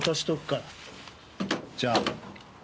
じゃあ。